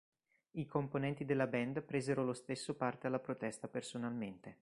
I componenti della band presero lo stesso parte alla protesta personalmente.